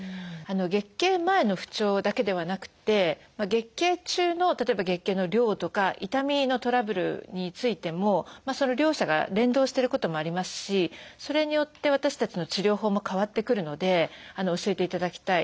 月経前の不調だけではなくて月経中の例えば月経の量とか痛みのトラブルについてもその両者が連動してることもありますしそれによって私たちの治療法も変わってくるので教えていただきたい。